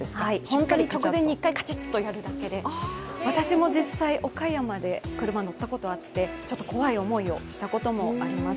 本当に直前１回カチッとやるだけで私も実際、岡山で車に乗ってちょっと怖い思いをしたことあります。